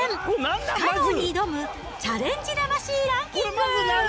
不可能に挑むチャレンジ魂ランキング。